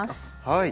はい。